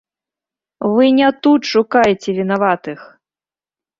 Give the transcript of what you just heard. Вы не тут шукаеце вінаватых!